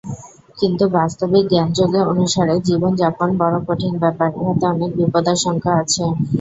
কিন্তু বাস্তবিক জ্ঞানযোগ অনুসারে জীবন-যাপন বড় কঠিন ব্যাপার, উহাতে অনেক বিপদাশঙ্কা আছে।